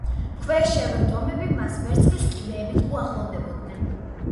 ქვეშევრდომები მას ვერცხლის კიბეებით უახლოვდებოდნენ.